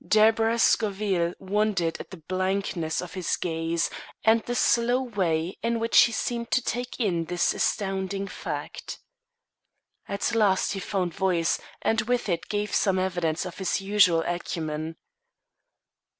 Deborah Scoville wondered at the blankness of his gaze and the slow way in which he seemed to take in this astounding fact. At last he found voice and with it gave some evidence of his usual acumen.